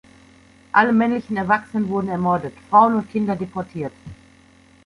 Alle männlichen Erwachsenen wurden ermordet, Frauen und Kinder deportiert.